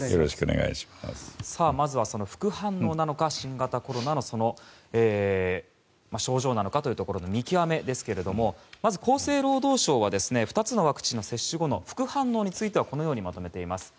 まずは副反応なのか新型コロナの症状なのかの見極めですけれども厚生労働省は２つのワクチン接種後の副反応についてはこのようにまとめています。